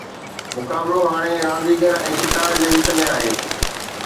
مقابلو هاڻي رانديگر ۽ شڪار جي وچ ۾ آهي.